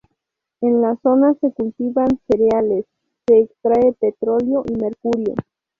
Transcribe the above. En la zona se cultivan cereales, se extrae petróleo y mercurio.